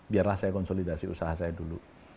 biarlah saya konsolidasi usaha saya dulu